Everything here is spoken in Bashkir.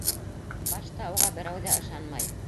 Башта уға берәү ҙә ышанмай.